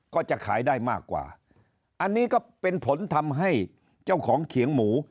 ก็จะขายได้มากกว่าอันนี้ก็เป็นผลทำให้เจ้าของเขียงหมู